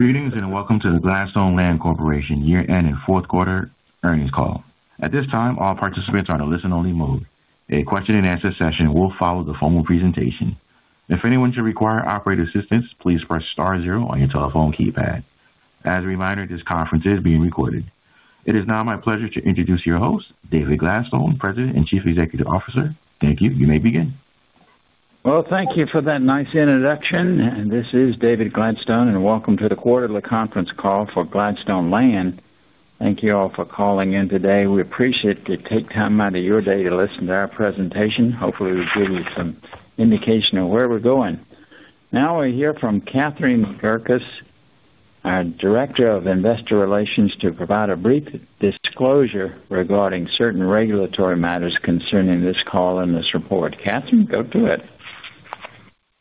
Greetings, welcome to the Gladstone Land Corporation year-end and fourth quarter earnings call. At this time, all participants are in a listen-only mode. A question-and-answer session will follow the formal presentation. If anyone should require operator assistance, please press star zero on your telephone keypad. As a reminder, this conference is being recorded. It is now my pleasure to introduce your host, David Gladstone, President and Chief Executive Officer. Thank you. You may begin. Well, thank you for that nice introduction. This is David Gladstone. Welcome to the quarterly conference call for Gladstone Land. Thank you all for calling in today. We appreciate you take time out of your day to listen to our presentation. Hopefully, we give you some indication of where we're going. Now, we'll hear from Catherine Gerkis, our Director of Investor Relations, to provide a brief disclosure regarding certain regulatory matters concerning this call and this report. Catherine, go to it.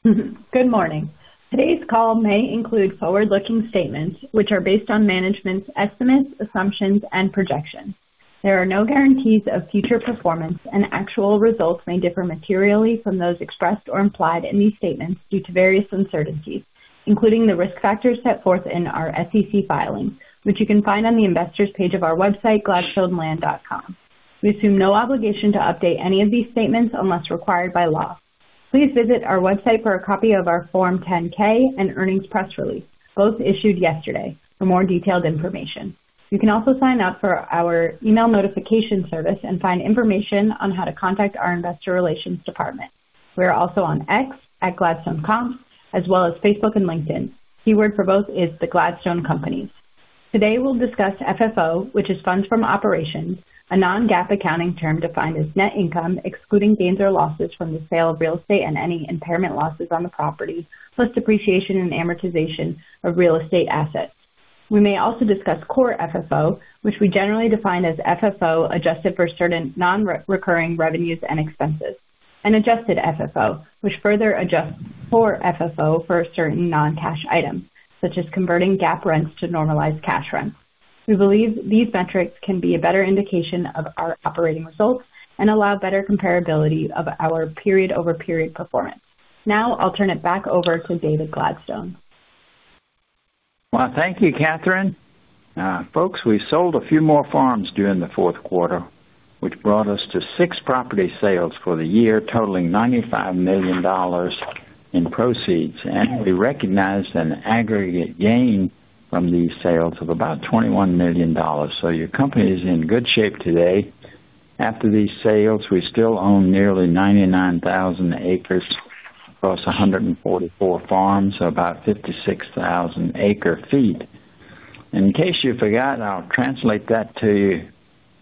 Mm-hmm. Good morning. Today's call may include forward-looking statements which are based on management's estimates, assumptions, and projections. There are no guarantees of future performance, and actual results may differ materially from those expressed or implied in these statements due to various uncertainties, including the risk factors set forth in our SEC filings, which you can find on the Investors page of our website, gladstoneland.com. We assume no obligation to update any of these statements unless required by law. Please visit our website for a copy of our Form 10-K and earnings press release, both issued yesterday, for more detailed information. You can also sign up for our email notification service and find information on how to contact our investor relations department. We are also on X @gladstonecom, as well as Facebook and LinkedIn. Keyword for both is The Gladstone Companies. Today, we'll discuss FFO, which is funds from operations, a non-GAAP accounting term defined as net income, excluding gains or losses from the sale of real estate and any impairment losses on the property, plus depreciation and amortization of real estate assets. We may also discuss core FFO, which we generally define as FFO, adjusted for certain non-recurring revenues and expenses, and adjusted FFO, which further adjusts core FFO for certain non-cash items, such as converting GAAP rents to normalized cash rents. We believe these metrics can be a better indication of our operating results and allow better comparability of our period-over-period performance. I'll turn it back over to David Gladstone. Well, thank you, Catherine. Folks, we sold a few more farms during the fourth quarter, which brought us to six property sales for the year, totaling $95 million in proceeds, and we recognized an aggregate gain from these sales of about $21 million. Your company is in good shape today. After these sales, we still own nearly 99,000 acres across 144 farms, so about 56,000 acre-feet. In case you forgot, I'll translate that to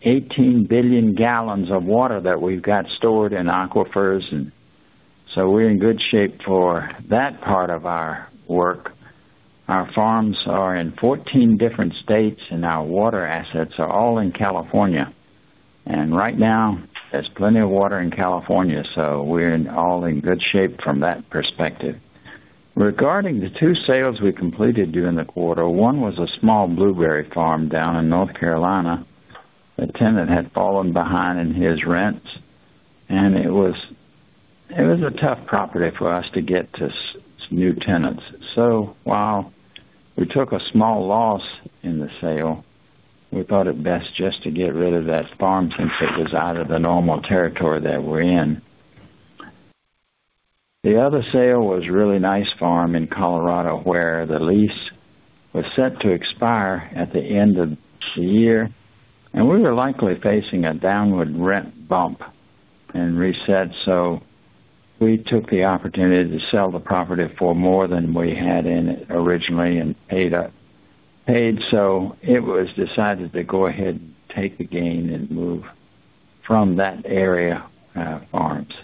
18 billion gallons of water that we've got stored in aquifers, and so we're in good shape for that part of our work. Our farms are in 14 different states, and our water assets are all in California. Right now, there's plenty of water in California, so we're in all in good shape from that perspective. Regarding the 2 sales we completed during the quarter, 1 was a small blueberry farm down in North Carolina. The tenant had fallen behind in his rents, and it was a tough property for us to get to new tenants. While we took a small loss in the sale, we thought it best just to get rid of that farm since it was out of the normal territory that we're in. The other sale was a really nice farm in Colorado, where the lease was set to expire at the end of the year, and we were likely facing a downward rent bump and reset. We took the opportunity to sell the property for more than we had in it originally and paid up. It was decided to go ahead and take the gain and move from that area farms.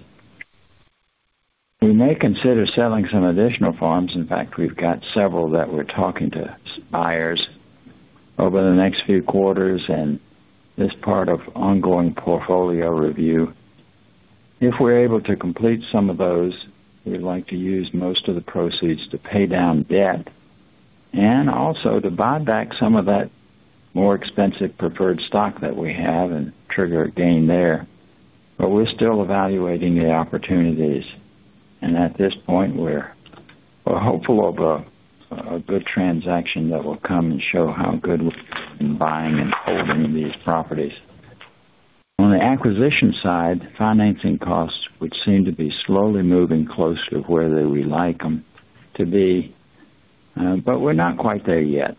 We may consider selling some additional farms. In fact, we've got several that we're talking to buyers over the next few quarters, and this part of ongoing portfolio review. If we're able to complete some of those, we'd like to use most of the proceeds to pay down debt and also to buy back some of that more expensive preferred stock that we have and trigger a gain there. We're still evaluating the opportunities, and at this point, we're hopeful of a good transaction that will come and show how good we are in buying and holding these properties. On the acquisition side, financing costs, which seem to be slowly moving closer to where we like them to be, but we're not quite there yet.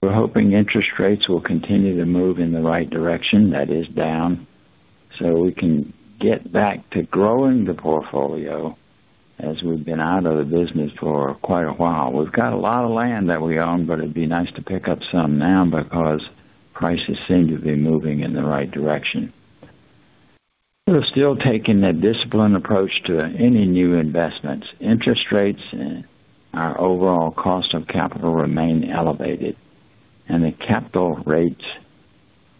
We're hoping interest rates will continue to move in the right direction, that is down, so we can get back to growing the portfolio as we've been out of the business for quite a while. We've got a lot of land that we own, but it'd be nice to pick up some now because prices seem to be moving in the right direction. We're still taking a disciplined approach to any new investments. Interest rates and our overall cost of capital remain elevated, and the capital rates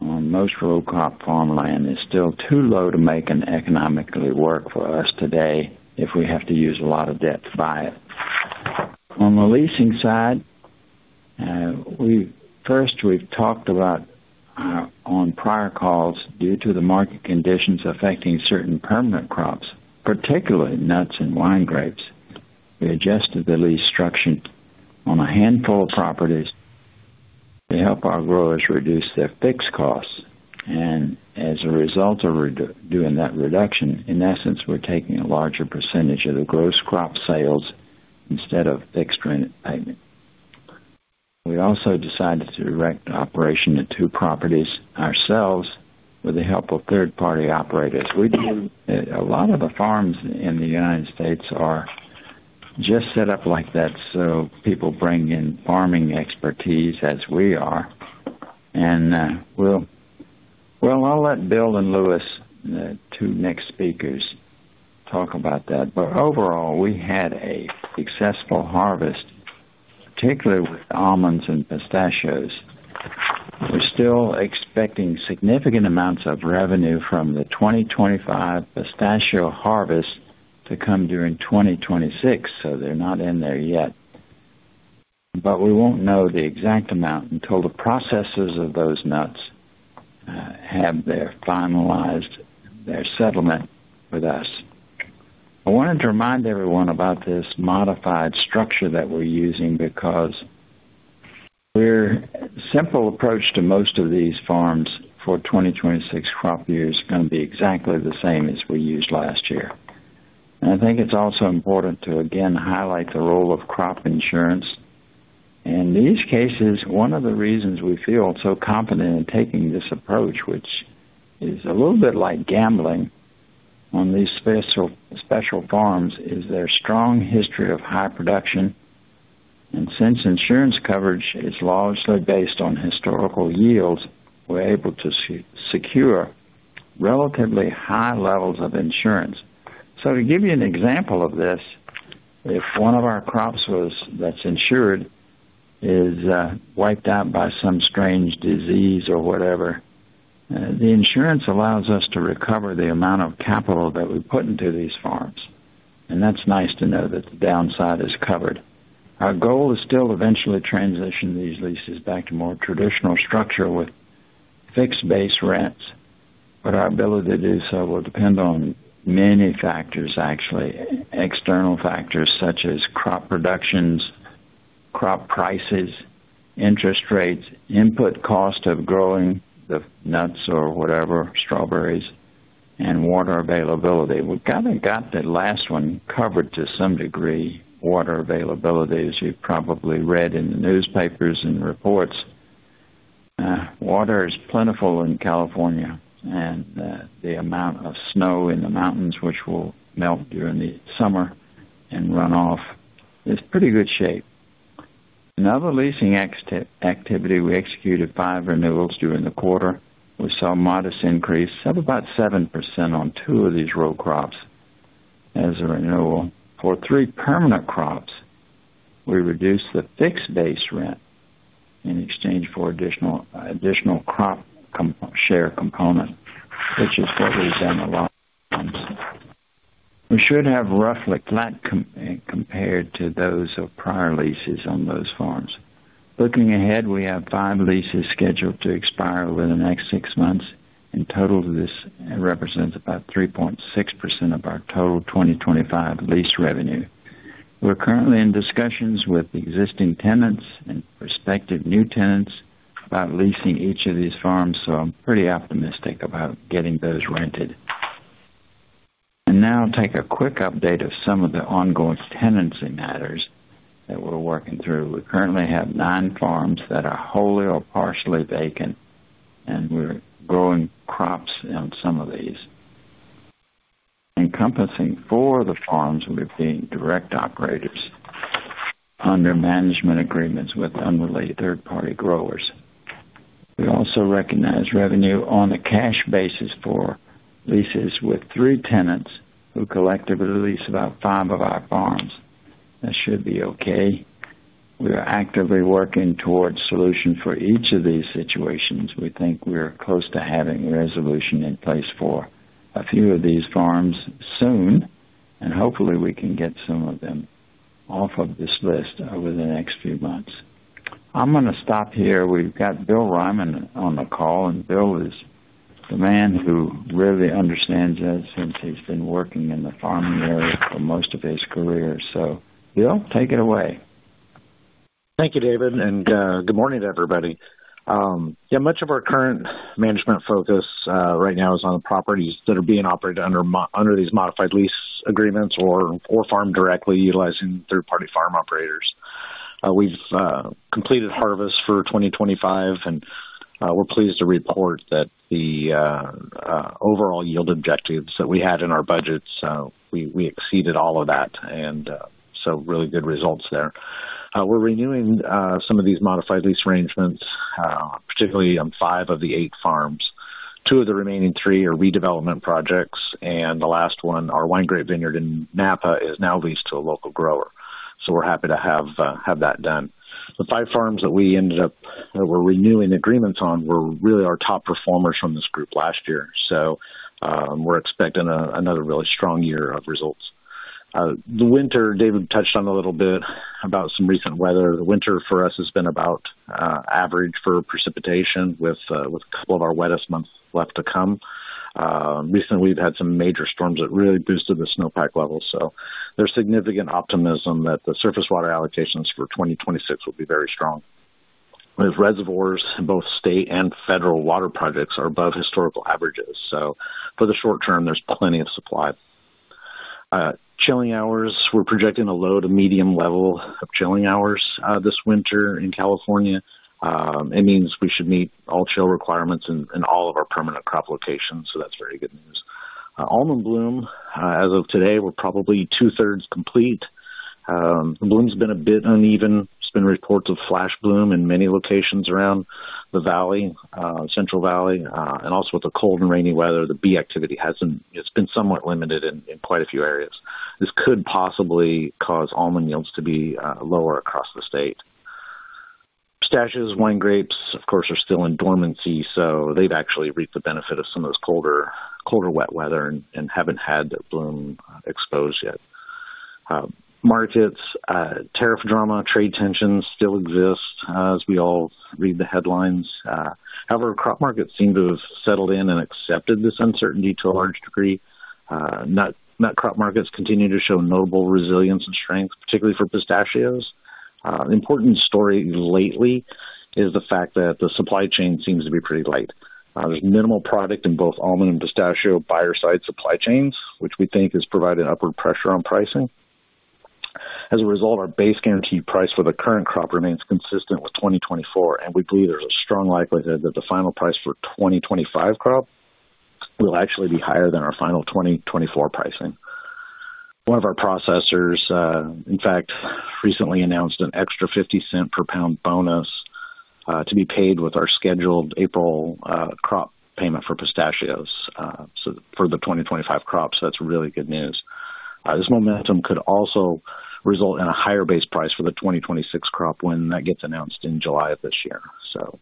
on most row crop farmland is still too low to make it economically work for us today if we have to use a lot of debt to buy it. On the leasing side, first, we've talked about... On prior calls, due to the market conditions affecting certain permanent crops, particularly nuts and wine grapes, we adjusted the lease structure on a handful of properties to help our growers reduce their fixed costs. As a result of re-doing that reduction, in essence, we're taking a larger percentage of the gross crop sales instead of fixed rent payment. We also decided to direct operation of 2 properties ourselves with the help of third-party operators. A lot of the farms in the United States are just set up like that, so people bring in farming expertise as we are. Well, I'll let Bill and Lewis, the 2 next speakers, talk about that. Overall, we had a successful harvest, particularly with almonds and pistachios. We're still expecting significant amounts of revenue from the 2025 pistachio harvest to come during 2024, so they're not in there yet. We won't know the exact amount until the processes of those nuts have their finalized, their settlement with us. I wanted to remind everyone about this modified structure that we're using because we're simple approach to most of these farms for 2024 crop year is going to be exactly the same as we used last year. I think it's also important to, again, highlight the role of crop insurance. In these cases, one of the reasons we feel so confident in taking this approach, which is a little bit like gambling on these special farms, is their strong history of high production. Since insurance coverage is largely based on historical yields, we're able to secure relatively high levels of insurance. To give you an example of this, if one of our crops was, that's insured, is, wiped out by some strange disease or whatever, the insurance allows us to recover the amount of capital that we put into these farms, and that's nice to know that the downside is covered. Our goal is still to eventually transition these leases back to more traditional structure with fixed base rents, but our ability to do so will depend on many factors, actually, external factors such as crop productions, crop prices, interest rates, input cost of growing the nuts or whatever, strawberries, and water availability. We've kind of got that last one covered to some degree, water availability, as you've probably read in the newspapers and reports. Water is plentiful in California, and the amount of snow in the mountains, which will melt during the summer and run off, is pretty good shape. In other leasing activity, we executed five renewals during the quarter. We saw a modest increase of about 7% on two of these row crops as a renewal. For three permanent crops, we reduced the fixed base rent in exchange for additional crop share component, which is what we've done a lot of times. We should have roughly flat compared to those of prior leases on those farms. Looking ahead, we have five leases scheduled to expire over the next six months. In total, this represents about 3.6% of our total 2025 lease revenue. We're currently in discussions with existing tenants and prospective new tenants about leasing each of these farms, so I'm pretty optimistic about getting those rented. Now take a quick update of some of the ongoing tenancy matters that we're working through. We currently have 9 farms that are wholly or partially vacant, and we're growing crops on some of these. Encompassing 4 of the farms, we've been direct operators under management agreements with unrelated third-party growers. We also recognize revenue on a cash basis for leases with 3 tenants who collectively lease about 5 of our farms. That should be okay. We are actively working towards solution for each of these situations. We think we are close to having a resolution in place for a few of these farms soon. Hopefully, we can get some of them off of this list over the next few months. I'm going to stop here. We've got Bill Reiman on the call, and Bill is the man who really understands that since he's been working in the farming area for most of his career. Bill, take it away. Thank you, David. Good morning to everybody. Yeah, much of our current management focus right now is on the properties that are being operated under these modified lease agreements or farmed directly utilizing third-party farm operators. We've completed harvest for 2025, and we're pleased to report that the overall yield objectives that we had in our budgets, we exceeded all of that, and so really good results there. We're renewing some of these modified lease arrangements, particularly on five of the eight farms. Two of the remaining three are redevelopment projects. The last one, our wine grape vineyard in Napa, is now leased to a local grower. We're happy to have that done. The 5 farms that we ended up, that we're renewing agreements on, were really our top performers from this group last year. We're expecting another really strong year of results. The winter, David touched on a little bit about some recent weather. The winter for us has been about average for precipitation, with a couple of our wettest months left to come. Recently, we've had some major storms that really boosted the snowpack levels, so there's significant optimism that the surface water allocations for 2026 will be very strong. Those reservoirs, both state and federal water projects, are above historical averages, so for the short term, there's plenty of supply. chilling hours, we're projecting a low to medium level of chilling hours this winter in California. It means we should meet all chill requirements in all of our permanent crop locations, so that's very good news. Almond bloom, as of today, we're probably two-thirds complete. The bloom's been a bit uneven. There's been reports of flash bloom in many locations around the valley, Central Valley. With the cold and rainy weather, the bee activity, it's been somewhat limited in quite a few areas. This could possibly cause almond yields to be lower across the state. Pistachios, wine grapes, of course, are still in dormancy, so they've actually reaped the benefit of some of this colder, wet weather and haven't had that bloom exposed yet. Markets, tariff drama, trade tensions still exist, as we all read the headlines. However, crop markets seem to have settled in and accepted this uncertainty to a large degree. Nut crop markets continue to show notable resilience and strength, particularly for pistachios. Important story lately is the fact that the supply chain seems to be pretty light. There's minimal product in both almond and pistachio buyer side supply chains, which we think is providing upward pressure on pricing. As a result, our base guarantee price for the current crop remains consistent with 2024, and we believe there's a strong likelihood that the final price for 2025 crop will actually be higher than our final 2024 pricing. One of our processors, in fact, recently announced an extra $0.50 per pound bonus to be paid with our scheduled April crop payment for pistachios, so for the 2025 crop, so that's really good news. This momentum could also result in a higher base price for the 2026 crop when that gets announced in July of this year.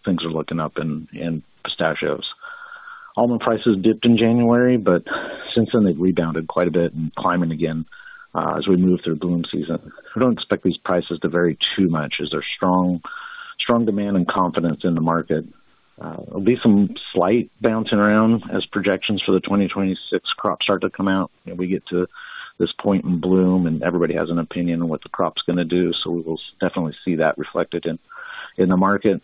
Things are looking up in pistachios. Almond prices dipped in January, but since then they've rebounded quite a bit and climbing again as we move through bloom season. We don't expect these prices to vary too much, as there's strong demand and confidence in the market. There'll be some slight bouncing around as projections for the 2026 crop start to come out, and we get to this point in bloom and everybody has an opinion on what the crop's going to do, so we will definitely see that reflected in the market.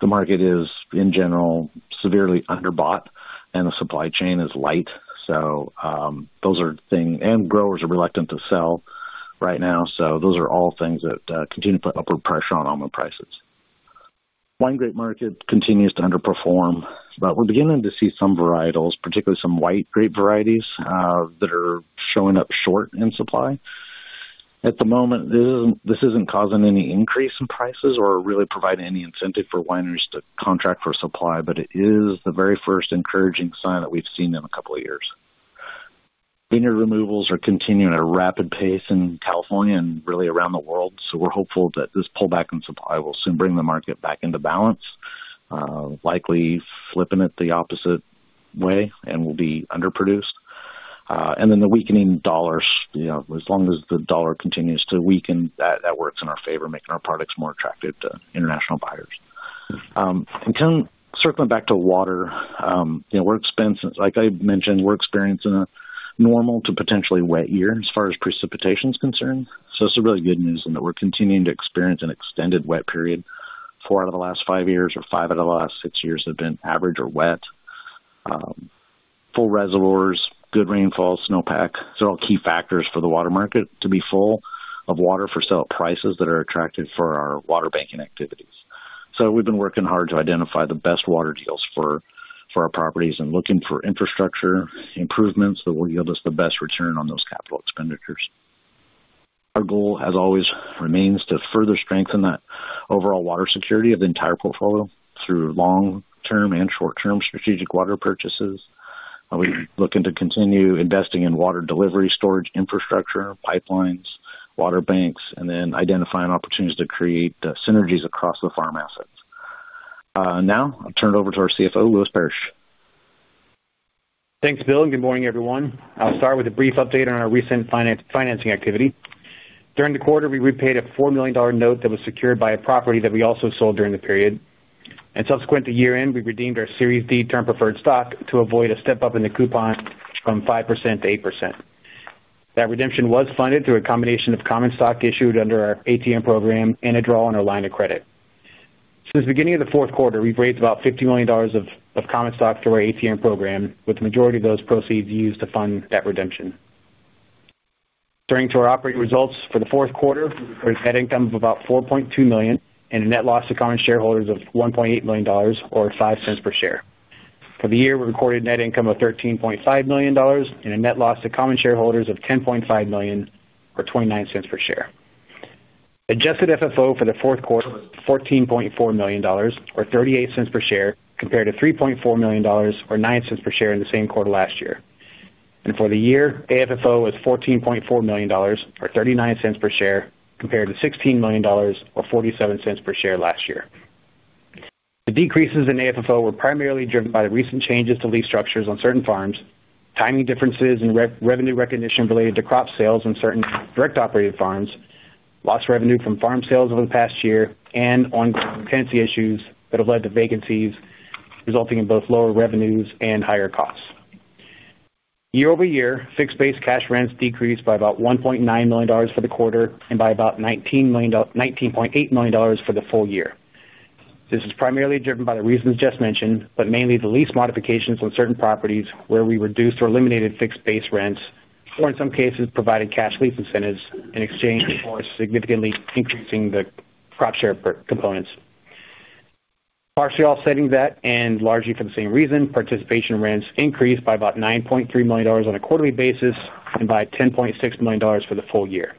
The market is, in general, severely underbought and the supply chain is light. Those are things, and growers are reluctant to sell right now. Those are all things that continue to put upward pressure on almond prices. Wine grape market continues to underperform, but we're beginning to see some varietals, particularly some white grape varieties, that are showing up short in supply. At the moment, this isn't causing any increase in prices or really providing any incentive for wineries to contract for supply. It is the very first encouraging sign that we've seen in a couple of years. Vineyard removals are continuing at a rapid pace in California and really around the world. We're hopeful that this pullback in supply will soon bring the market back into balance, likely flipping it the opposite way and will be underproduced. The weakening dollar, you know, as long as the dollar continues to weaken, that works in our favor, making our products more attractive to international buyers. Kind of circling back to water, you know, we're experiencing, like I mentioned, we're experiencing a normal to potentially wet year as far as precipitation is concerned. This is really good news in that we're continuing to experience an extended wet period. four out of the last five years or five out of the last six years have been average or wet. Full reservoirs, good rainfall, snowpack, these are all key factors for the water market to be full of water, for sale at prices that are attractive for our water banking activities. We've been working hard to identify the best water deals for our properties and looking for infrastructure improvements that will yield us the best return on those capital expenditures. Our goal, as always, remains to further strengthen that overall water security of the entire portfolio through long-term and short-term strategic water purchases. We're looking to continue investing in water delivery, storage, infrastructure, pipelines, water banks, and then identifying opportunities to create synergies across the farm assets. Now I'll turn it over to our CFO, Lewis Parrish. Thanks, Bill. Good morning, everyone. I'll start with a brief update on our recent financing activity. During the quarter, we repaid a $4 million note that was secured by a property that we also sold during the period. Subsequent to year-end, we redeemed our Series D term preferred stock to avoid a step up in the coupon from 5% to 8%. That redemption was funded through a combination of common stock issued under our ATM program and a draw on our line of credit. Since the beginning of the fourth quarter, we've raised about $50 million of common stock through our ATM program, with the majority of those proceeds used to fund debt redemption. Turning to our operating results for the fourth quarter, we recorded net income of about $4.2 million and a net loss to common shareholders of $1.8 million or $0.05 per share. For the year, we recorded net income of $13.5 million and a net loss to common shareholders of $10.5 million or $0.29 per share. Adjusted FFO for the fourth quarter was $14.4 million, or $0.38 per share, compared to $3.4 million or $0.09 per share in the same quarter last year. For the year, AFFO was $14.4 million, or $0.39 per share, compared to $16 million or $0.47 per share last year. The decreases in AFFO were primarily driven by the recent changes to lease structures on certain farms, timing differences in revenue recognition related to crop sales on certain direct operated farms, lost revenue from farm sales over the past year, and ongoing tenancy issues that have led to vacancies, resulting in both lower revenues and higher costs. Year-over-year, fixed base cash rents decreased by about $1.9 million for the quarter and by about $19.8 million for the full year. This is primarily driven by the reasons just mentioned, mainly the lease modifications on certain properties where we reduced or eliminated fixed base rents, or in some cases, provided cash lease incentives in exchange for significantly increasing the crop share per components. Partially offsetting that, largely for the same reason, participation rents increased by about $9.3 million on a quarterly basis and by $10.6 million for the full year.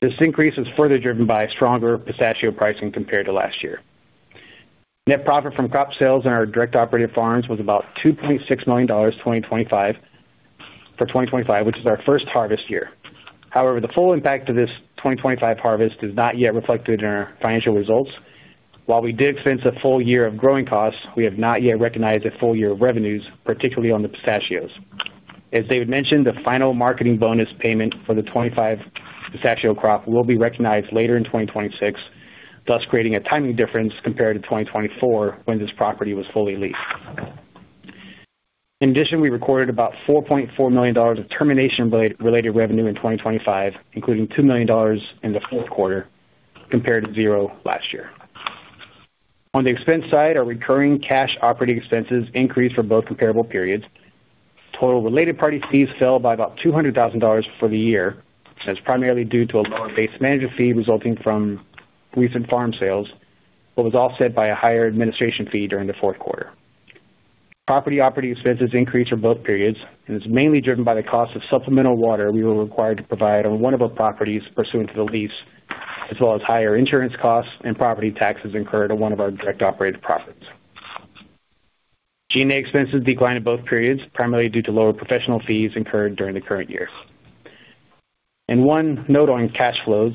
This increase is further driven by stronger pistachio pricing compared to last year. Net profit from crop sales in our direct operated farms was about $2.6 million for 2025, which is our first harvest year. However, the full impact of this 2025 harvest is not yet reflected in our financial results. While we did expense a full year of growing costs, we have not yet recognized a full year of revenues, particularly on the pistachios. As David mentioned, the final marketing bonus payment for the 2025 pistachio crop will be recognized later in 2026, thus creating a timing difference compared to 2024, when this property was fully leased. We recorded about $4.4 million of termination-related revenue in 2025, including $2 million in the fourth quarter, compared to zero last year. On the expense side, our recurring cash operating expenses increased for both comparable periods. Total related party fees fell by about $200,000 for the year. That's primarily due to a lower base management fee resulting from recent farm sales, was offset by a higher administration fee during the fourth quarter. Property operating expenses increased for both periods, and it's mainly driven by the cost of supplemental water we were required to provide on one of our properties pursuant to the lease, as well as higher insurance costs and property taxes incurred on one of our direct operated profits. GA expenses declined in both periods, primarily due to lower professional fees incurred during the current year. One note on cash flows.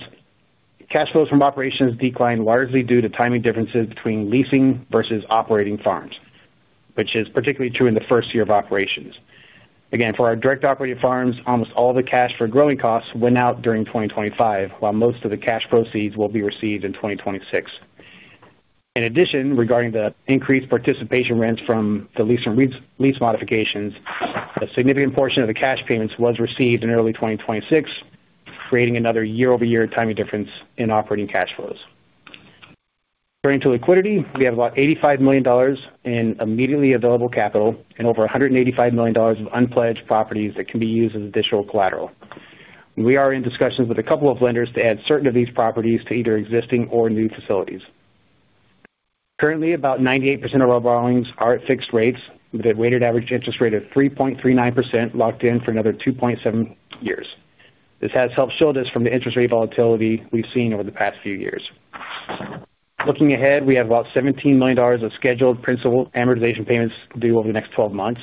Cash flows from operations declined largely due to timing differences between leasing versus operating farms, which is particularly true in the first year of operations. Again, for our direct operated farms, almost all the cash for growing costs went out during 2025, while most of the cash proceeds will be received in 2026. Regarding the increased participation rents from the lease and re-lease modifications, a significant portion of the cash payments was received in early 2026, creating another year-over-year timing difference in operating cash flows. Turning to liquidity, we have about $85 million in immediately available capital and over $185 million of unpledged properties that can be used as additional collateral. We are in discussions with a couple of lenders to add certain of these properties to either existing or new facilities. Currently, about 98% of our borrowings are at fixed rates, with a weighted average interest rate of 3.39% locked in for another 2.7 years. This has helped shield us from the interest rate volatility we've seen over the past few years. Looking ahead, we have about $17 million of scheduled principal amortization payments due over the next 12 months.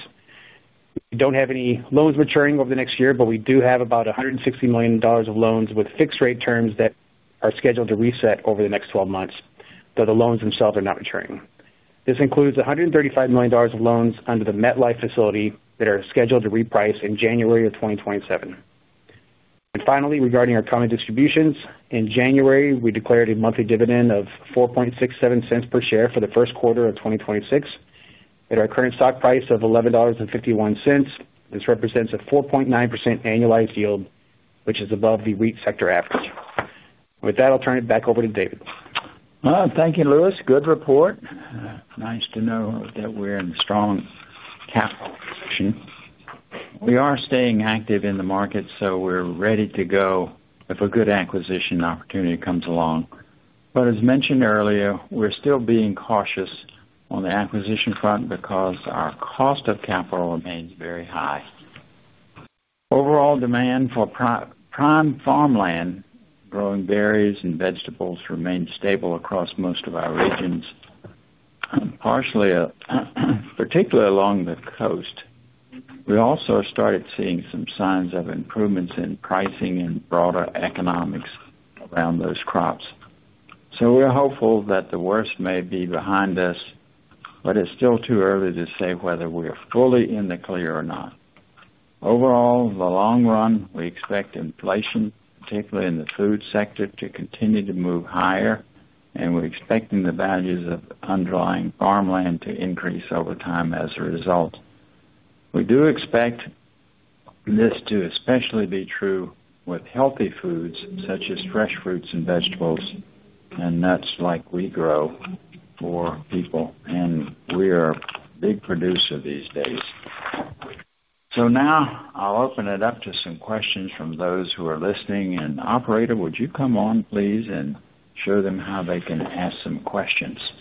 We don't have any loans maturing over the next year, but we do have about $160 million of loans with fixed rate terms that are scheduled to reset over the next 12 months, though the loans themselves are not maturing. This includes $135 million of loans under the MetLife facility that are scheduled to reprice in January 2027. Finally, regarding our common distributions, in January, we declared a monthly dividend of $0.0467 per share for the first quarter of 2026. At our current stock price of $11.51, this represents a 4.9% annualized yield, which is above the REIT sector average. With that, I'll turn it back over to David. Well, thank you, Lewis. Good report. Nice to know that we're in strong capital position. We are staying active in the market. We're ready to go if a good acquisition opportunity comes along. As mentioned earlier, we're still being cautious on the acquisition front because our cost of capital remains very high. Overall demand for prime farmland, growing berries and vegetables remains stable across most of our regions, partially, particularly along the coast. We also started seeing some signs of improvements in pricing and broader economics around those crops. We are hopeful that the worst may be behind us. It's still too early to say whether we are fully in the clear or not. Overall, in the long run, we expect inflation, particularly in the food sector, to continue to move higher, and we're expecting the values of underlying farmland to increase over time as a result. We do expect this to especially be true with healthy foods, such as fresh fruits and vegetables, and nuts, like we grow for people, and we are a big producer these days. Now I'll open it up to some questions from those who are listening, and operator, would you come on, please, and show them how they can ask some questions?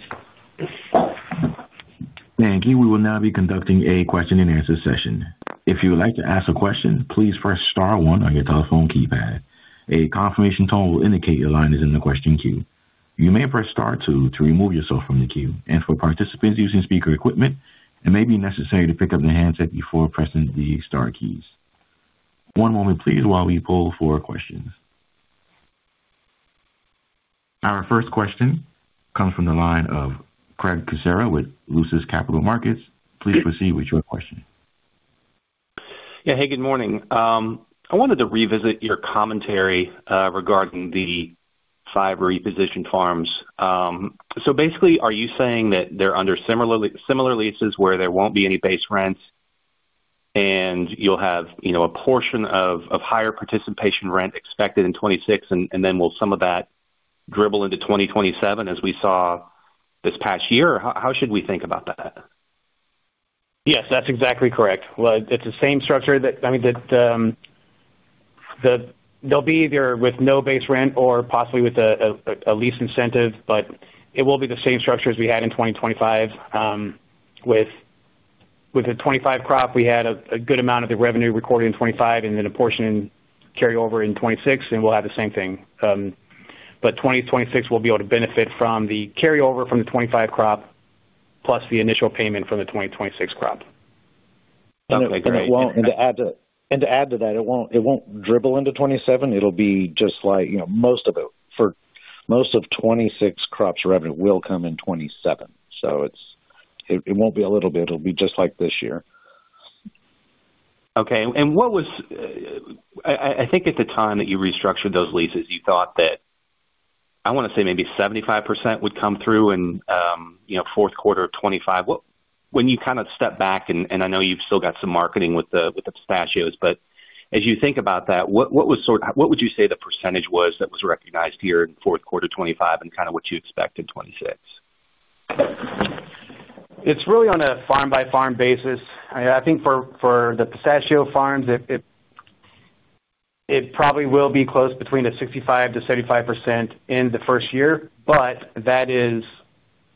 Thank you. We will now be conducting a question-and-answer session. If you would like to ask a question, please press star one on your telephone keypad. A confirmation tone will indicate your line is in the question queue. You may press star two to remove yourself from the queue. For participants using speaker equipment, it may be necessary to pick up the handset before pressing the star keys. One moment, please, while we pull for questions. Our first question comes from the line of Craig Kucera with Lucid Capital Markets. Please proceed with your question. Yeah. Hey, good morning. I wanted to revisit your commentary regarding the five repositioned farms. Basically, are you saying that they're under similar leases where there won't be any base rents and you'll have, you know, a portion of higher participation rent expected in 2026, and then will some of that dribble into 2027 as we saw this past year? Or how should we think about that? Yes, that's exactly correct. Well, it's the same structure that, I mean, that they'll be either with no base rent or possibly with a lease incentive, but it will be the same structure as we had in 2025. With the 2025 crop, we had a good amount of the revenue recorded in 2025 and then a portion carry over in 2026, and we'll have the same thing. 2026 will be able to benefit from the carryover from the 2025 crop, plus the initial payment from the 2026 crop. Okay, great. To add to that, it won't dribble into 2027. It'll be just like, you know, most of it. For most of 2026 crops, revenue will come in 2027. It won't be a little bit, it'll be just like this year. Okay, what was, I think at the time that you restructured those leases, you thought that, I want to say maybe 75% would come through in, you know, fourth quarter of 2025. When you kind of step back and I know you've still got some marketing with the pistachios, but as you think about that, what was sort of what would you say the percentage was that was recognized here in fourth quarter 2025 and kind of what you expect in 2026? It's really on a farm-by-farm basis. I think for the pistachio farms, it probably will be close between 65%-75% in the first year, but that is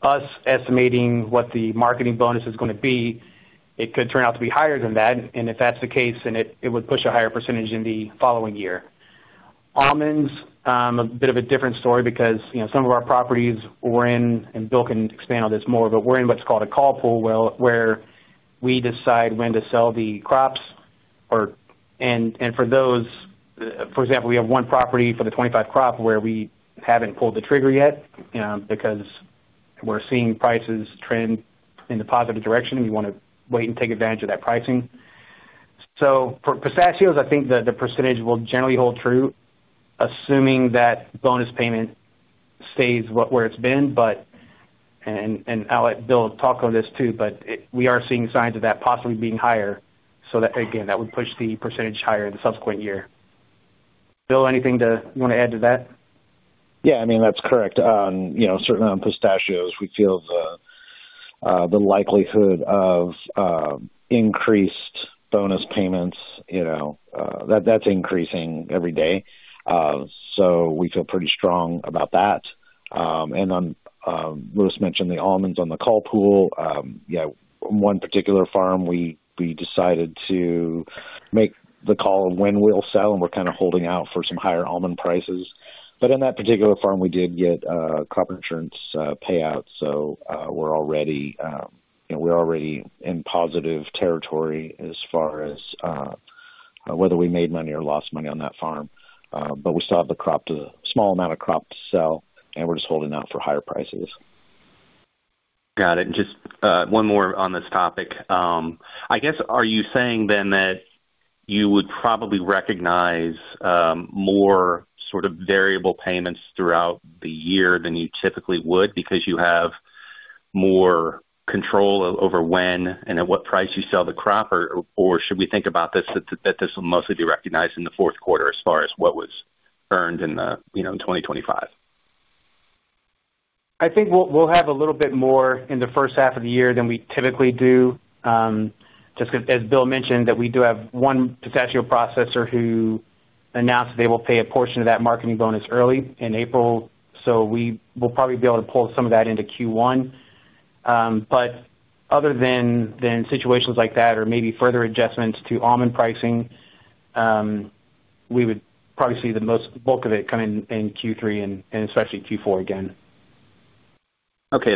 us estimating what the marketing bonus is going to be. It could turn out to be higher than that, and if that's the case, then it would push a higher percentage in the following year. Almonds, a bit of a different story because, you know, some of our properties we're in, and Bill can expand on this more, but we're in what's called a call pool, where we decide when to sell the crops or. For those, for example, we have one property for the 25 crop where we haven't pulled the trigger yet, because we're seeing prices trend in the positive direction, we want to wait and take advantage of that pricing. For pistachios, I think the percentage will generally hold true, assuming that bonus payment stays where it's been. I'll let Bill talk on this too, but we are seeing signs of that possibly being higher. That, again, that would push the percentage higher the subsequent year. Bill, anything to you want to add to that? I mean, that's correct. You know, certainly on pistachios, we feel the likelihood of increased bonus payments, you know, that's increasing every day. We feel pretty strong about that. Lewis mentioned the almonds on the call pool. One particular farm, we decided to make the call on when we'll sell, and we're kind of holding out for some higher almond prices. In that particular farm, we did get crop insurance payout. We're already, you know, in positive territory as far as whether we made money or lost money on that farm. We still have a small amount of crop to sell, and we're just holding out for higher prices. Got it. Just one more on this topic. I guess, are you saying then, that you would probably recognize, more sort of variable payments throughout the year than you typically would because you have more control over when and at what price you sell the crop? Or should we think about this, that this will mostly be recognized in the fourth quarter as far as what was earned in the, you know, in 2025? I think we'll have a little bit more in the first half of the year than we typically do. Just as Bill mentioned, that we do have one pistachio processor who announced they will pay a portion of that marketing bonus early in April. We will probably be able to pull some of that into Q1. Other than situations like that or maybe further adjustments to almond pricing, we would probably see the most bulk of it come in Q3 and especially Q4 again. Okay.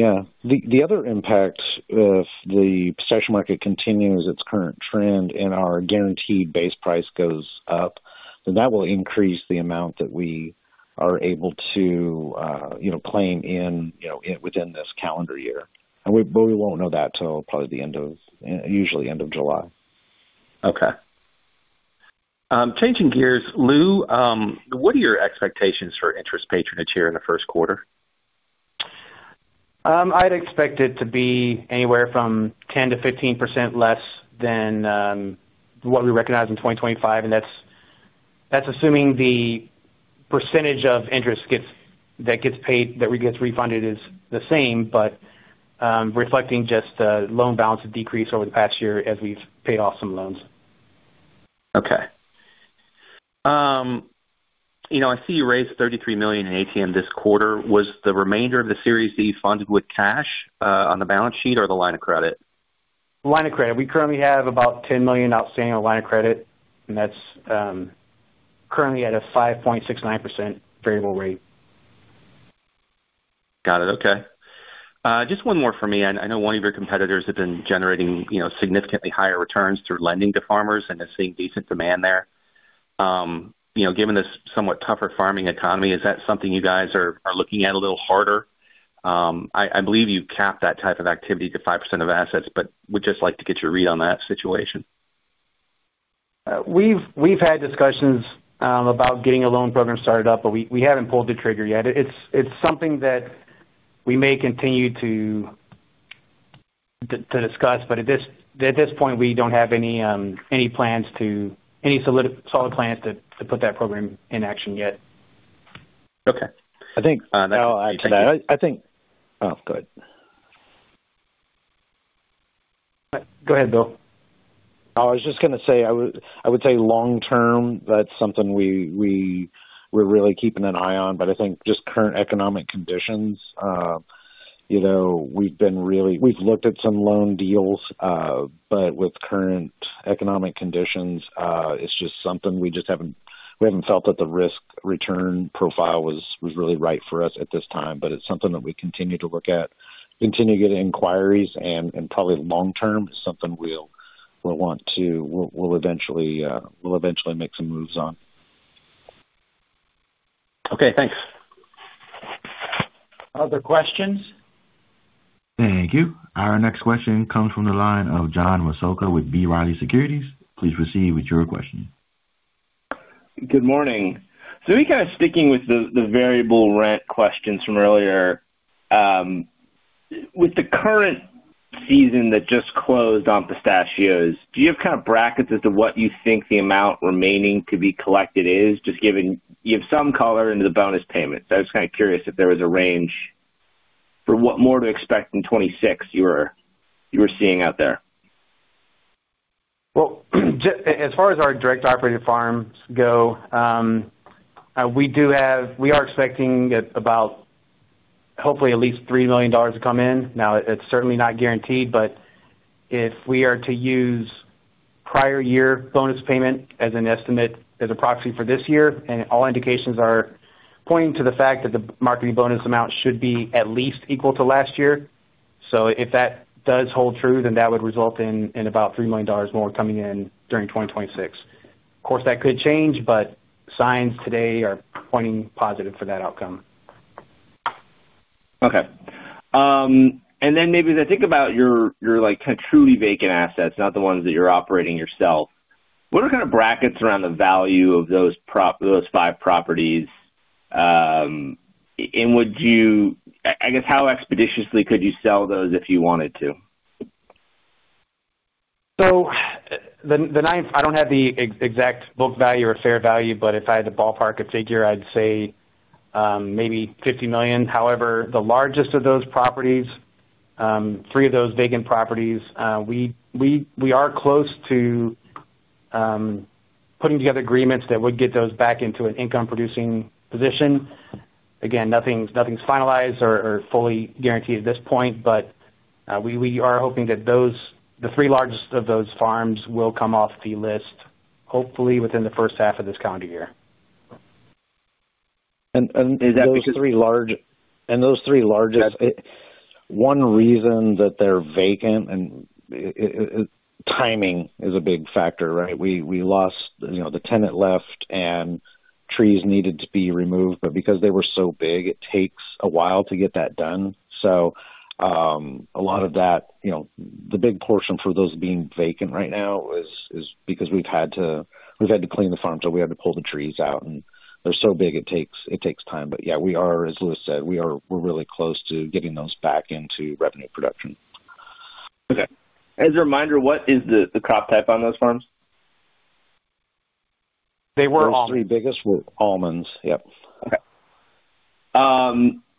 Yeah. The other impact, if the pistachio market continues its current trend and our guaranteed base price goes up, then that will increase the amount that we are able to, you know, claim in, you know, within this calendar year. But we won't know that till probably the end of, usually end of July. Okay. Changing gears, Lewis, what are your expectations for interest patronage here in the first quarter? I'd expect it to be anywhere from 10%-15% less than what we recognized in 2025, and that's assuming the percentage of interest that gets paid, that gets refunded is the same, but reflecting just a loan balance decrease over the past year as we've paid off some loans. You know, I see you raised $33 million in ATM this quarter. Was the remainder of the Series D funded with cash on the balance sheet or the line of credit? Line of credit. We currently have about $10 million outstanding on line of credit, and that's currently at a 5.69% variable rate. Got it. Okay. just one more for me. I know one of your competitors have been generating, you know, significantly higher returns through lending to farmers and is seeing decent demand there. you know, given this somewhat tougher farming economy, is that something you guys are looking at a little harder? I believe you've capped that type of activity to 5% of assets, but would just like to get your read on that situation. We've had discussions about getting a loan program started up. We haven't pulled the trigger yet. It's something that we may continue to discuss. At this point, we don't have any solid plans to put that program in action yet. Okay. I'll add to that. I think... Oh, go ahead. Go ahead, Bill. I was just gonna say, I would say long term, that's something we're really keeping an eye on. I think just current economic conditions, you know, we've been really... We've looked at some loan deals, but with current economic conditions, it's just something we haven't felt that the risk-return profile was really right for us at this time. It's something that we continue to look at, continue to get inquiries, and probably long term, something we'll want to, we'll eventually make some moves on. Okay, thanks. Other questions? Thank you. Our next question comes from the line of John Massocca with B. Riley Securities. Please proceed with your question. Good morning. Kind of sticking with the variable rent questions from earlier. With the current season that just closed on pistachios, do you have kind of brackets as to what you think the amount remaining to be collected is? You have some color into the bonus payments. I was kind of curious if there was a range for what more to expect in 2026 you were seeing out there. As far as our direct operated farms go, we are expecting about hopefully at least $3 million to come in. It's certainly not guaranteed, but if we are to use prior year bonus payment as an estimate, as a proxy for this year, and all indications are pointing to the fact that the marketing bonus amount should be at least equal to last year. If that does hold true, then that would result in about $3 million more coming in during 2026. That could change, but signs today are pointing positive for that outcome. Okay. Then maybe as I think about your, like, kind of truly vacant assets, not the ones that you're operating yourself, what are kind of brackets around the value of those those 5 properties? Would you... I guess, how expeditiously could you sell those if you wanted to? The, the ninth, I don't have the exact book value or fair value, but if I had to ballpark a figure, I'd say maybe $50 million. However, the largest of those properties, three of those vacant properties, we are close to putting together agreements that would get those back into an income-producing position. Again, nothing's finalized or fully guaranteed at this point, but we are hoping that those, the three largest of those farms will come off the list, hopefully within the first half of this calendar year. And, and is that because- Those three largest, one reason that they're vacant and timing is a big factor, right? We lost, you know, the tenant left and trees needed to be removed, but because they were so big, it takes a while to get that done. A lot of that, you know, the big portion for those being vacant right now is because we've had to clean the farm, so we had to pull the trees out, and they're so big, it takes time. Yeah, we are as Lewis said, we're really close to getting those back into revenue production. Okay. As a reminder, what is the crop type on those farms? They were almonds. Those three biggest were almonds. Yep.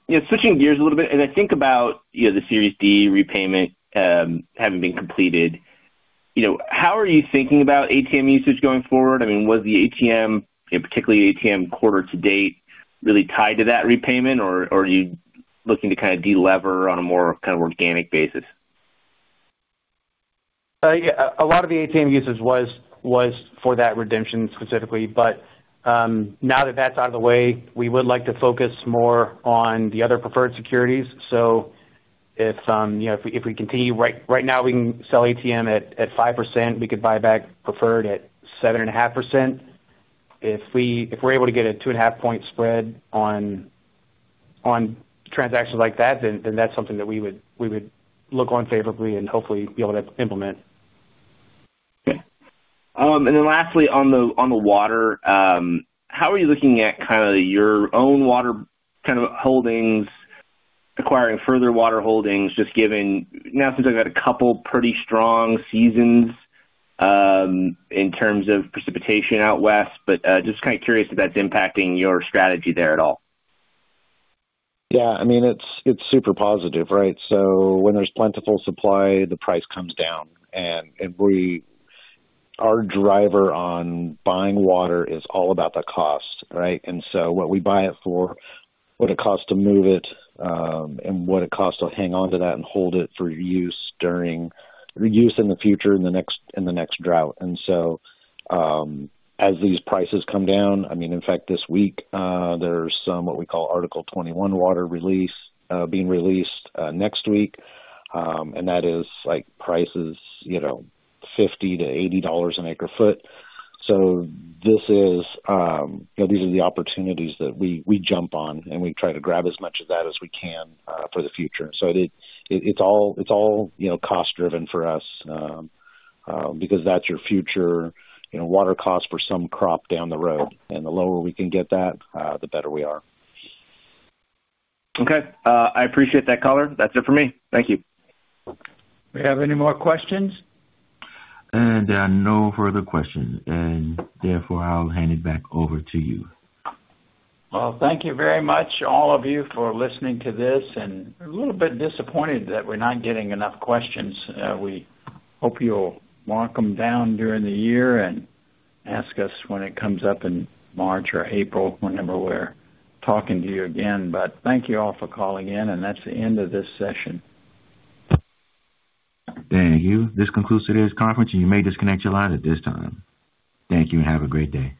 Yeah, switching gears a little bit, as I think about, you know, the Series D repayment, having been completed, you know, how are you thinking about ATM usage going forward? I mean, was the ATM, particularly ATM quarter to date, really tied to that repayment, or are you looking to kind of delever on a more kind of organic basis? Yeah, a lot of the ATM usage was for that redemption specifically. Now that that's out of the way, we would like to focus more on the other preferred securities. Right now, we can sell ATM at 5%. We could buy back preferred at 7.5%. If we're able to get a 2.5-point spread on transactions like that, then that's something that we would look on favorably and hopefully be able to implement. Lastly, on the, on the water, how are you looking at kind of your own water kind of holdings, acquiring further water holdings, just giving, now since I've got a couple pretty strong seasons, in terms of precipitation out west, just kind of curious if that's impacting your strategy there at all. Yeah, I mean, it's super positive, right? When there's plentiful supply, the price comes down. We, our driver on buying water is all about the cost, right? What we buy it for, what it costs to move it, and what it costs to hang on to that and hold it for use during, reuse in the future, in the next drought. As these prices come down, I mean, in fact, this week, there's some what we call Article 21 water release being released next week. That is like prices, you know, $50-$80 an acre-foot. This is, these are the opportunities that we jump on, and we try to grab as much of that as we can for the future. It's all, you know, cost-driven for us, because that's your future, you know, water cost for some crop down the road. The lower we can get that, the better we are. Okay. I appreciate that color. That's it for me. Thank you. We have any more questions? There are no further questions, and therefore, I'll hand it back over to you. Well, thank you very much, all of you, for listening to this, a little bit disappointed that we're not getting enough questions. We hope you'll mark them down during the year and ask us when it comes up in March or April, whenever we're talking to you again. Thank you all for calling in, and that's the end of this session. Thank you. This concludes today's conference. You may disconnect your line at this time. Thank you. Have a great day.